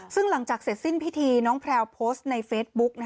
ซึ่งหลังจากเสร็จสิ้นพิธีน้องแพลวโพสต์ในเฟซบุ๊ก